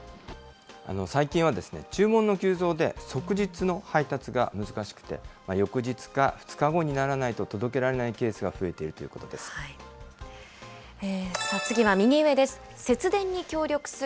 最近は注文の急増で、即日の配達が難しくて、翌日か２日後にならないと届けられないケースが増えているという次は右上です。